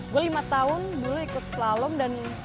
gue lima tahun dulu ikut slalom dan